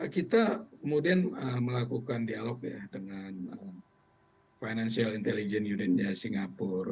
kita kemudian melakukan dialog ya dengan financial intelligence unionnya singapura